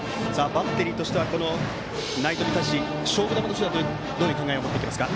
バッテリーとしては内藤に対し勝負球としては、どういう考えを持っていきますか？